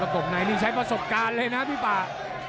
ปกในนี่ใช้ประสบการณ์เลยนะพี่ป่า